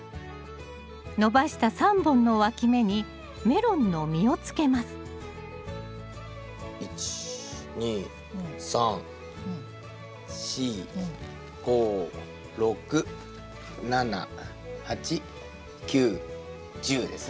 伸ばした３本のわき芽にメロンの実をつけます１２３４５６７８９１０ですね。